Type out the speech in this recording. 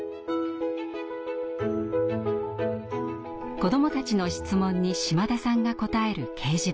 子どもたちの質問に島田さんが答える掲示板です。